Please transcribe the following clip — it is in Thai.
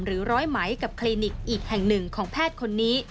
ร้อยไหมกับคลินิกอีกแห่งหนึ่งของแพทย์คนนี้